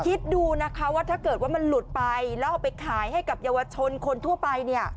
คิดดูนะคะว่าถ้าเกิดว่ามันหลุดไปแล้วเอาไปขายให้กับเยาวชนคนทั่วไปเนี่ย